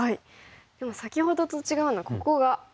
でも先ほどと違うのはここが強いですよね。